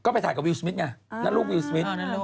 ก็ไปถ่ายกับวิวสมิทไงแล้วลูกวิวสมิท